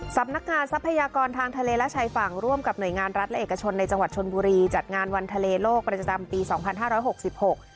ทรัพยากรทางทะเลและชายฝั่งร่วมกับหน่วยงานรัฐและเอกชนในจังหวัดชนบุรีจัดงานวันทะเลโลกประจำปีสองพันห้าร้อยหกสิบหก